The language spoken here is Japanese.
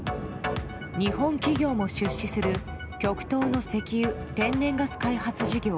日本企業も出資する極東の石油・天然ガス開発事業